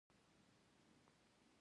پایله دا چې کیمیاګر یو ستر اثر دی.